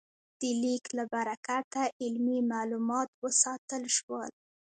د لیک له برکته علمي مالومات وساتل شول.